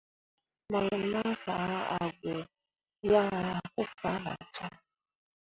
Mawin masǝ̃he a gbǝ yaŋ ahe pǝ sah no cam.